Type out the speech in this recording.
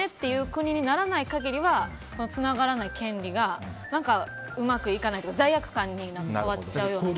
国にならない限りはつながらない権利がうまくいかないというか罪悪感に変わっちゃうような。